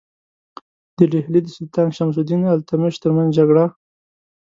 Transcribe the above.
د ډهلي د سلطان شمس الدین التمش ترمنځ جګړه.